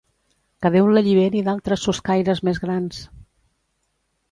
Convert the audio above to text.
Que Déu l'alliberi d'altres soscaires més grans!